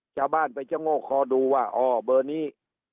ชาวบ้านไปชะโงกคอดูว่าอ๋อเบอร์นี้